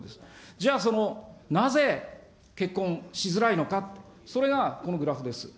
じゃあその、なぜ、結婚しづらいのかって、それがこのグラフです。